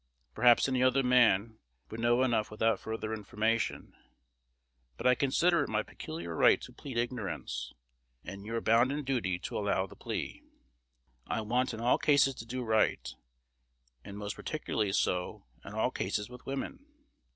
Perhaps any other man would know enough without further information; but I consider it my peculiar right to plead ignorance, and your bounden duty to allow the plea. I want in all cases to do right; and most particularly so in all cases with women.